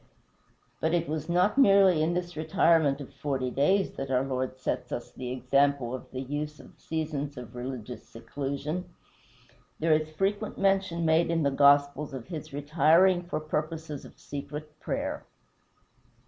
But it was not merely in this retirement of forty days that our Lord set us the example of the use of seasons of religious seclusion. There is frequent mention made in the Gospels of his retiring for purposes of secret prayer.